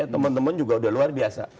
teman teman juga udah luar biasa